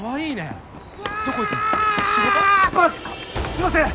すみません！